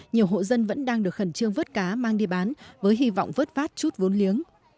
nhiều hộ dân vẫn đang được khẩn trương vớt cá mang đi bán với hy vọng vớt vát chút vốn liếng